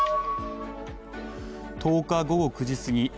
１０日午後９時すぎ